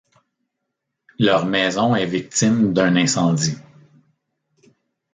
Leur maison est victime d'un incendie.